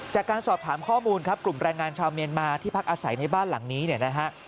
จากการสอบถามข้อมูลครับกลุ่มแรงงานชาวเมียนมาที่พักอาศัยในบ้านหลังนี้เนี่ยนะฮะ